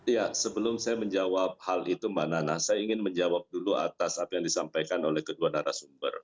ya sebelum saya menjawab hal itu mbak nana saya ingin menjawab dulu atas apa yang disampaikan oleh kedua narasumber